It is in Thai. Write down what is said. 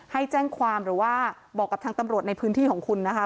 ให้แจ้งความหรือว่าบอกกับทางตำรวจในพื้นที่ของคุณนะคะ